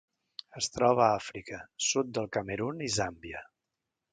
Es troba a Àfrica: sud del Camerun i Zàmbia.